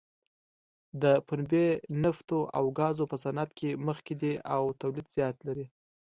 د پنبې، نفتو او ګازو په صنعت کې مخکې دی او تولید زیات لري.